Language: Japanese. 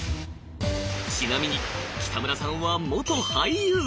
ちなみに北村さんは元俳優。